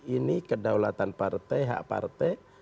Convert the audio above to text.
ini kedaulatan partai hak partai